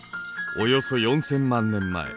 およそ４，０００万年前。